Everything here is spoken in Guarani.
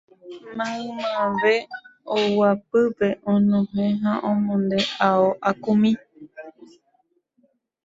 Maymave ogapýpe onohẽ ha omonde ao akumi